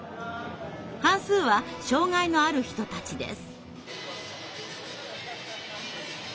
半数は障害のある人たちです。